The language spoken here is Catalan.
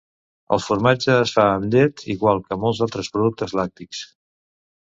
El formatge es fa amb llet, igual que molts altres productes lactis.